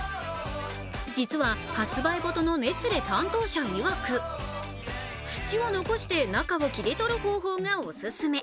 実は、発売元のネスレ担当者いわく、縁を残して中を切り取る方法がオススメ。